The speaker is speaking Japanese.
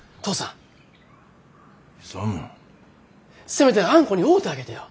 せめてあんこに会うたげてよ。